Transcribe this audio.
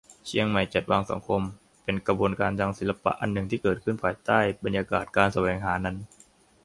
"เชียงใหม่จัดวางสังคม" เป็นขบวนการทางศิลปะอันหนึ่งที่เกิดขึ้นภายใต้บรรยากาศการแสวงหานั้น